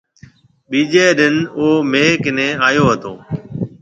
ٻيجَي ڏِن او مهيَ ڪنيَ آيو هتو۔